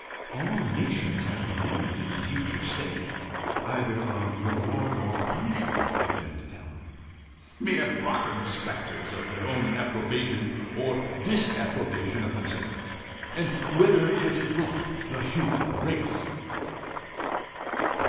"All nations have believed in a future state, either of reward or punishment," objected Helen. "Mere Brocken spectres of their own approbation or disapprobation of themselves. And whither has it brought the race?"